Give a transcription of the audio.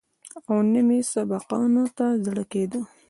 او نه مې سبقانو ته زړه کېده.